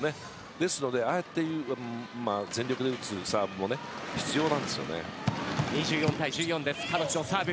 ですので、ああして全力で打つサーブも必要なんですね。